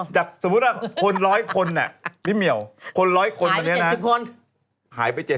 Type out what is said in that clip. จากสมมุติว่าคน๑๐๐คนเนี่ยพี่เมียวคน๑๐๐คนหายไป๗๐กว่าคนหายไป๗๐กว่าคนอ่ะ